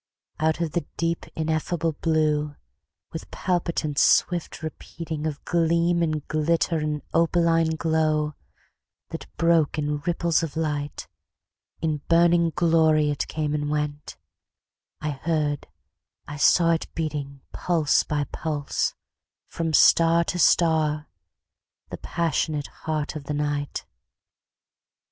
Out of the deep ineffable blue, with palpitant swift repeatingOf gleam and glitter and opaline glow, that broke in ripples of light—In burning glory it came and went,—I heard, I saw it beating, Pulse by pulse, from star to star,—the passionate heart of the Night!